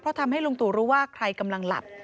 เพราะทำให้ลุงตู่รู้ว่าใครกำลังหลับ